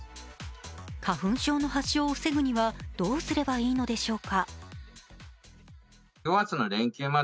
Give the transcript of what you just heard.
花粉症の発症を防ぐにはどうすればいいんでしょうか。